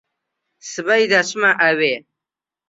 سبەی دەچمە ئەوێ.